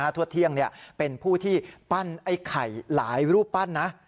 ทวดเที่ยงเป็นผู้ที่ปั้นไอ้ไข่หลายรูปปั้นนะ